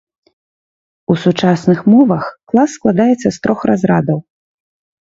У сучасных мовах клас складаецца з трох разрадаў.